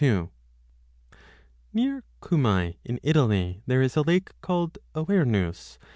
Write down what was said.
Near Cumae in Italy there is a lake called Avernus